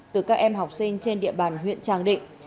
từ các em học sinh trên địa bàn huyện tràng định